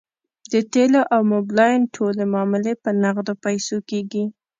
د تیلو او موبلاین ټولې معاملې په نغدو پیسو کیږي